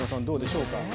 どうでしょうか？